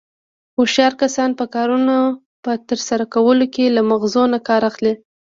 هوښیار کسان د کارنو په ترسره کولو کې له مغزو نه کار اخلي.